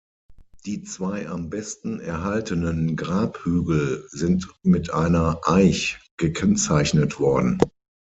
Die zwei am besten erhaltenen Grabhügel sind mit einer Eich gekennzeichnet worden.